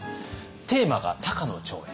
テーマが「高野長英」。